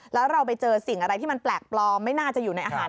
แล้วเราไปเจอสิ่งอะไรที่มันแปลกปลอมไม่น่าจะอยู่ในอาหาร